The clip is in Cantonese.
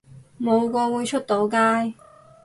冇個會出到街